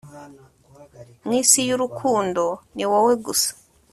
mu isi y'urukundo ni wowe gusa